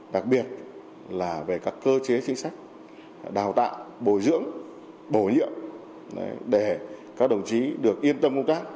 đặc biệt là về các cơ chế chính sách đào tạo bồi dưỡng bổ nhiệm để các đồng chí được yên tâm công tác